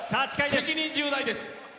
責任重大です。